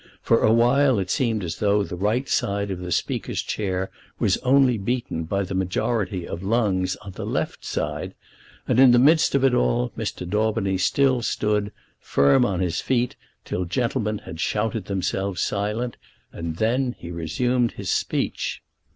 For a while it seemed as though the right side of the Speaker's chair was only beaten by the majority of lungs on the left side; and in the midst of it all Mr. Daubeny still stood, firm on his feet, till gentlemen had shouted themselves silent, and then he resumed his speech.